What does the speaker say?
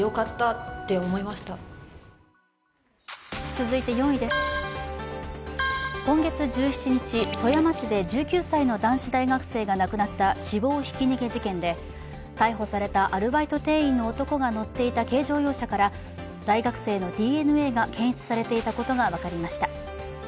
続いて４位です、今月１７日富山市で１９歳の男子大学生が亡くなった死亡ひき逃げ事件で逮捕されたアルバイト店員の男が乗っていた軽乗用車から大学生のＤＮＡが検出されていたことが分かりました。